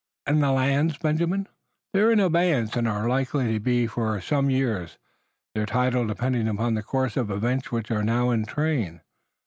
"And the lands, Benjamin?" "They're in abeyance, and are likely to be for some years, their title depending upon the course of events which are now in train."